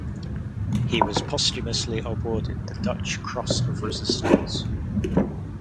He was posthumously awarded the Dutch Cross of Resistance.